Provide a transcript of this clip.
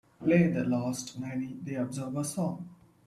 play the last Niney The Observer song